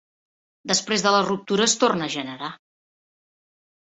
Després de la ruptura es torna a generar.